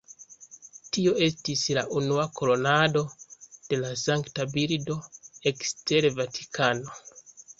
Tio estis la unua kronado de la sankta bildo ekster Vatikano.